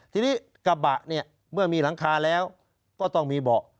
ทีนี้กระบะเนี่ยเมื่อมีหลังคาแล้วก็ต้องมีเบาะ